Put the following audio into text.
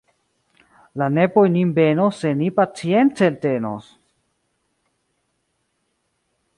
La nepoj nin benos se ni pacience eltenos!